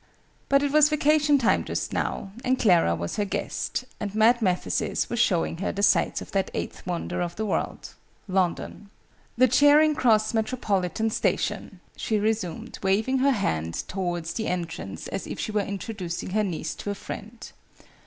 But it was vacation time just now, and Clara was her guest, and Mad Mathesis was showing her the sights of that Eighth Wonder of the world London. "The Charing Cross Metropolitan Station!" she resumed, waving her hand towards the entrance as if she were introducing her niece to a friend.